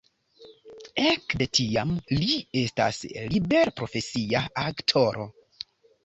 Ekde tiam li estas liberprofesia aktoro.